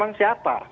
pangkat yang berapa